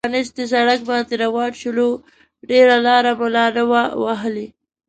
پر پرانیستي سړک باندې روان شولو، ډېره لار مو لا نه وه وهلې.